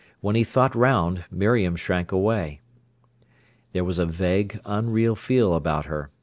When he thought round, Miriam shrank away. There was a vague, unreal feel about her.